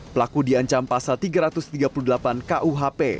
pelaku diancam pasal tiga ratus tiga puluh delapan kuhp